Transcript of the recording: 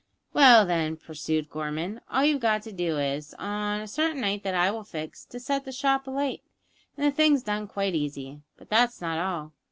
"Well, then," pursued Gorman, "all you've got to do is, on a certain night that I will fix, to set the shop alight, and the thing's done quite easy. But that's not all.